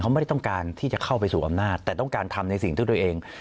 ไม่ได้ต้องการที่จะเข้าไปสู่อำนาจแต่ต้องการทำในสิ่งที่ตัวเอง